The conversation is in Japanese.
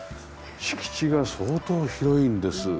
敷地が相当広いんです。